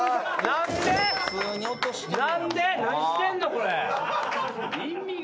何してんのこれ。